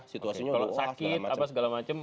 situasinya kalau sakit apa segala macam